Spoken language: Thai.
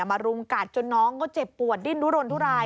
รุมกัดจนน้องก็เจ็บปวดดิ้นทุรนทุราย